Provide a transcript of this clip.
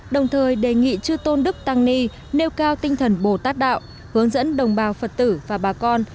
đồng thời đề nghị chư tôn đức tăng ni nêu cao tinh thần bồ tát đạo hướng dẫn đồng bào phật tử và bà con